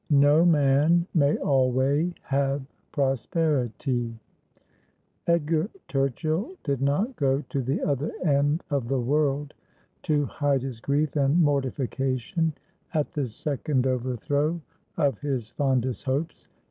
NO MAN MAY ALWAY HAVE PEOSPERITEE.' Eduar Tukchill did not go to the other end of the world to hide his grief and mortification at this second overthrow of his fondest hopes.